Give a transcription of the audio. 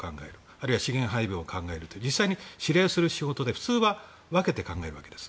あるいは、資源配分を考える。あるいは指令する仕事で分けて考えるわけです。